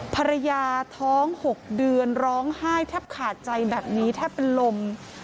ภรรยาท้อง๖เดือนร้องไห้แทบขาดใจแบบนี้แทบเป็นลม